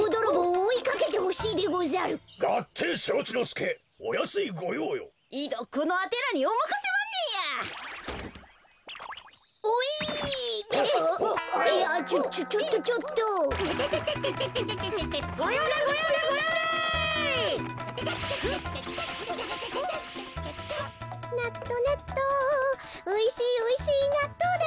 おいしいおいしいなっとうだよ。